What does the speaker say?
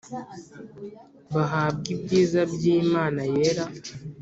bahabwa ibyiza by'imana yera